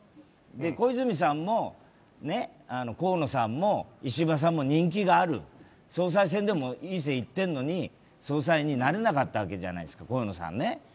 小泉さんも河野さんも石破さんも人気がある総裁選でも、いい線いってるのに、河野さんは総裁になれなかったわけじゃないですか。